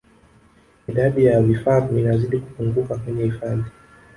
Idadi ya vifaru inazidi kupungua kwenye hifadhi